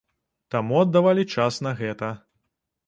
Таму аддавалі час на гэта.